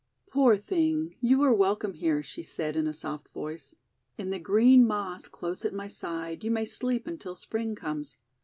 ' Poor thing, you are welcome here," she said in a soft voice. 'In the green Moss close at my side you may sleep until Spring comes.